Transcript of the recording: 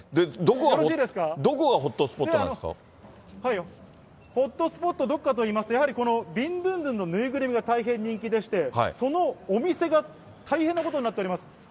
どこがホットスポッホットスポット、どこかといいますと、やはりこのビンドゥンドゥンの縫いぐるみが大変人気でして、そのお店が大変なことになっています。